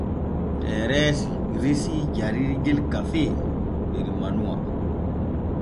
Tereesi resii jarirgel kafee der manuwa.